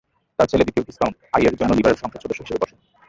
তার ছেলে, দ্বিতীয় ভিসকাউন্ট, আই এর জন্য লিবারেল সংসদ সদস্য হিসাবে বসে।